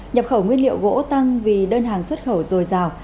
nhập khẩu nguyên liệu gỗ tăng vì đơn hàng xuất khẩu dồi dào